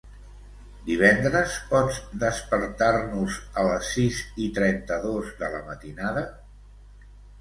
Divendres pots despertar-nos a les sis i trenta-dos de la matinada?